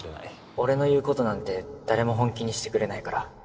俺の言うことなんて誰も本気にしてくれないから。